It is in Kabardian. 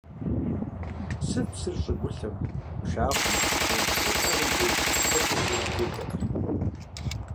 Сыт псыр щӀыгулъым, пшахъуэм пхыкӀыу ятӀагъуэм деж къыщӀыщызэтеувыӀэр?